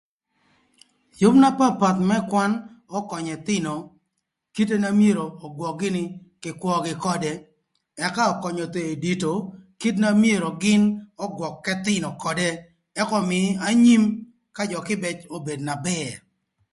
Yüb na papath më kwan ökönyö ëthïnö kite na myero ögwök gïnï kï kwögï ködë ëka ökönyö thon edite kite na myero gïn ögwök k'ëthïnö ködë ëk ömïï anyim ka jö kïbëc obed na bër.